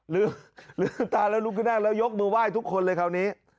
ลืมตาแล้วลุกขึ้นนั่งแล้วยกมือไหว้ทุกคนเลยคราวนี้